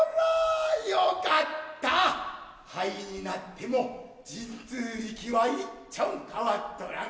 灰になっても神通力はいっちょン変っとらん。